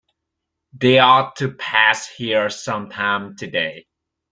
They ought to pass here some time today.